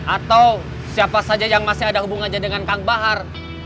atau siapa saja yang masih ada hubungannya dengan kang bahar